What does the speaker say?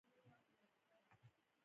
لومړۍ پیښه څلور ورځې مخکې شوې وه.